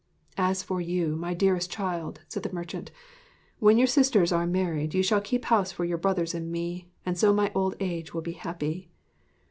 'As for you, my dearest child,' said the merchant, 'when your sisters are married, you shall keep house for your brothers and me, and so my old age will be happy.'